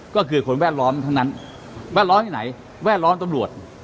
ก็คือคนแวดล้อมทั้งนั้นแวดล้อมที่ไหนแวดล้อมตำรวจ